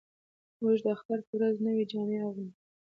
موږ د اختر په ورځ نوې جامې اغوندو